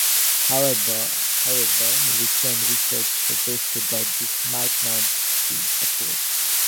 However, recent research suggests that this might not be accurate.